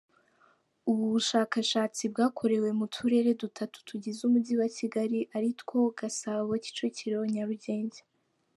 Ubu bushakashatsi bwakorewe mu Turere dutatu tugize umujyi wa Kigali aritwo Gasabo, Kicukiro, Nyarugenge.